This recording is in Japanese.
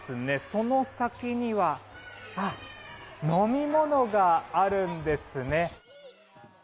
その先には飲み物があるんですね。